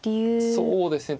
そうですね。